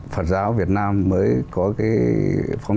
phật giáo việt nam mới có phong trào trấn hương